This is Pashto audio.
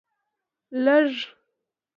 لږ